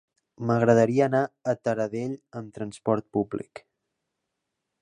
M'agradaria anar a Taradell amb trasport públic.